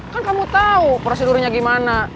kan kamu tahu prosedurnya gimana